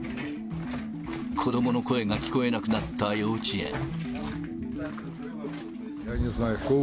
子どもの声が聞こえなくなった幼稚園。